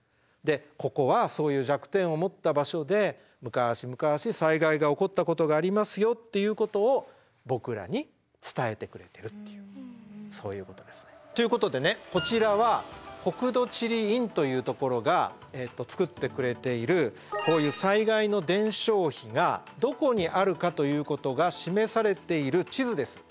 ここはそういう弱点を持った場所でむかしむかし災害が起こったことがありますよっていうことを僕らに伝えてくれてるっていうそういうことですね。ということでねこちらは国土地理院というところが作ってくれているこういう災害の伝承碑がどこにあるかということが示されている地図です。